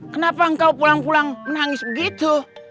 kenapa engkau pulang pulang menangis begitu